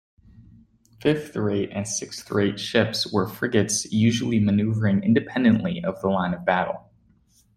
Fifth-rate and sixth-rate ships were frigates usually maneuvering independently of the line of battle.